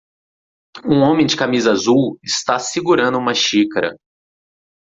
Um homem de camisa azul está segurando uma xícara